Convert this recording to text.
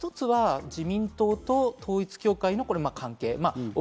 一つは、自民党と統一教会の関係。